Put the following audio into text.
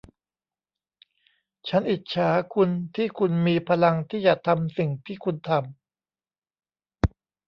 ฉันอิจฉาคุณที่คุณมีพลังที่จะทำสิ่งที่คุณทำ